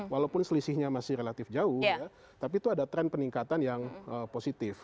walaupun selisihnya masih relatif jauh tapi itu ada tren peningkatan yang positif